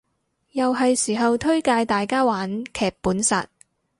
又係時候推介大家玩劇本殺